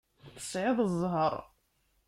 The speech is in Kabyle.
Tesɛiḍ zzheṛ.